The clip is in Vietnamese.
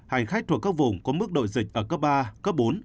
hành khách thuộc các vùng có mức độ dịch ở cấp ba cấp bốn